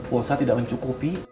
pulsa tidak mencukupi